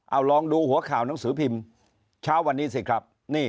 เอาลองดูหัวข่าวหนังสือพิมพ์เช้าวันนี้สิครับ